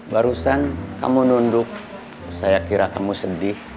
barusan kamu nunduk saya kira kamu sedih